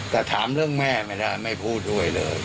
แต่ถามเรื่องแม่ไม่ได้ไม่พูดด้วยเลย